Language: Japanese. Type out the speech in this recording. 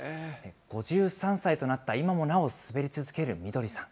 ５３歳となった今もなお滑り続けるみどりさん。